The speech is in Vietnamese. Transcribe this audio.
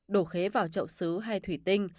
đổ khế vào trậu xứ hay thủy tinh